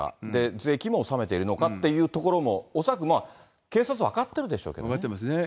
税金も納めているのかというところも恐らく警察は分かってるでし分かってますね。